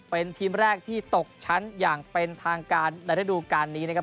เป็นทีมแรกที่ตกชั้นอย่างเป็นทางการในระดูการนี้นะครับ